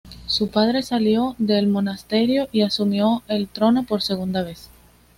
Su padre salió del monasterio y asumió el trono por segunda vez.